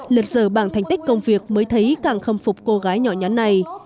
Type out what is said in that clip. lượt giờ bảng thành tích công việc mới thấy càng khâm phục cô gái nhỏ nhắn này